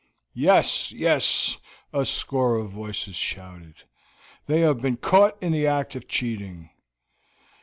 "Yes, yes!" a score of voices shouted; "they have been caught in the act of cheating."